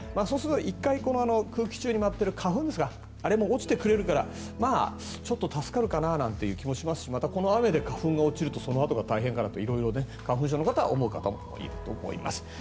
そうすると１回空気中に舞っている花粉ですがあれも落ちてくれるからちょっと助かるかななんて気もしますがまたこの雨で花粉が落ちるとそのあとが大変だと色々、花粉症の方は思う方もいると思います。